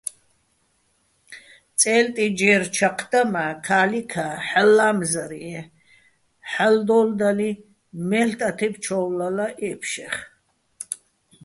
წე́ლტი ჯერ ჩაჴ და, მა́ ქა́ლიქა́ ჰ̦ალო̆ ლა́მზარჲაჼ ჰ̦ალო̆ დო́ლდალიჼ, მელ' ტათებ ჩო́ვლალა აჲფშეხ.